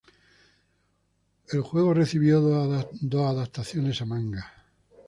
El juego recibió dos adaptaciones a manga.